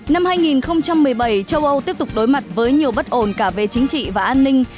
năm hai nghìn một mươi bảy châu âu tiếp tục đối mặt với nhiều bất ổn cả về chính trị và an ninh